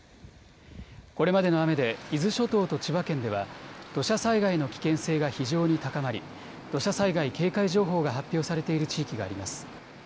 これまでの雨で伊豆諸島と千葉県では土砂災害の危険性が非常に高まり土砂災害警戒情報が発表されている地域があります。